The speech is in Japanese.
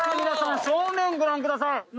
皆さん正面ご覧ください。